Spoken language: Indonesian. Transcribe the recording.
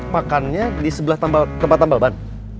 makannya di sebelah tempat tambal ban